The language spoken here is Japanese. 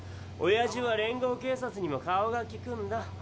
おやじは連合警察にも顔がきくんだ。